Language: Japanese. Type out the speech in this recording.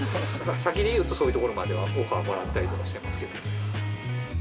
先でいうとそういうところまではオファーもらったりとかしてますけど。